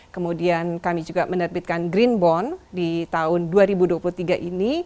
kemudian kami juga menerbitkan green bond di tahun dua ribu dua puluh tiga ini